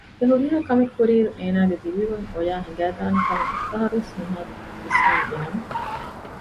އެހުރިހާ ކެމެއްކުރިއިރު އޭނާގެ ދިރިއުޅުން އޮޔާ ހިނގައިދާނޭކަމަށް އެއްފަހަރުވެސް ނުހާދު ވިސްނާލިނަމަ